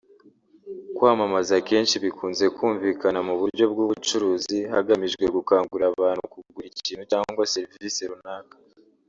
Kwamamaza akenshi bikunze kumvikana mu buryo bw’ubucuruzi hagamijwe gukangurira abantu kugura ikintu cyangwa serivisi runaka